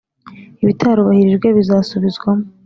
Ibitarubahirijwe bizasubizwamo.